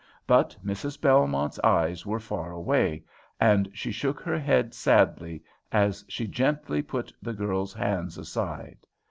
But Mrs. Belmont's eyes were far away, and she shook her head sadly as she gently put the girl's hands aside.